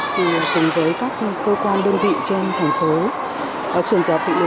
thì cùng với các cơ quan đơn vị trên thành phố trường tiểu học thịnh liệt